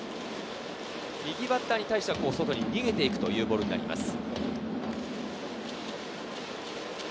右バッターに対しては外に逃げていくボールになります。